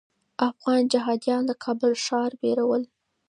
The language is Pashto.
افغان جهاديان د کابل ښار ویرول.